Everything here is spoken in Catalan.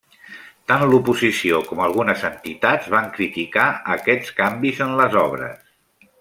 Tant l'oposició com algunes entitats van criticar aquests canvis en les obres.